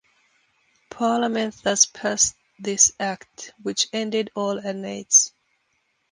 Parliament thus passed this Act, which ended all annates.